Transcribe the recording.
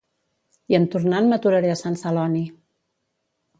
I en tornant m'aturaré a Sant Celoni